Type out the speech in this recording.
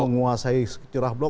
menguasai celah blok